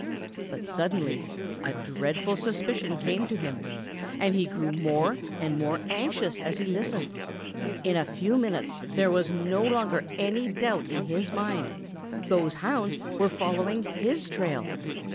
But suddenly a dreadful suspicion came to him and he grew more and more anxious as he listened. In a few minutes there was no longer any doubt in his mind. Those hounds were following his trail.